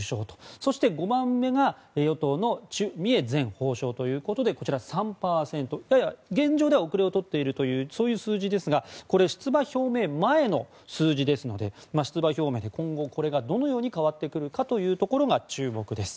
そして５番目が与党のチュ・ミエ前法相ということでこちら３％、やや現状では後れを取っているというそういう数字ですが出馬表明前の数字ですので、出馬表明で今後これがどのように変わってくるかというところが注目です。